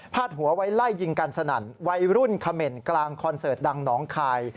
หัวไว้ไล่ยิงกันสนั่นวัยรุ่นเขม่นกลางคอนเสิร์ตดังหนองคาย